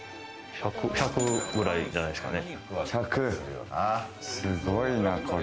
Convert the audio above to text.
１００くらいじゃないですかね。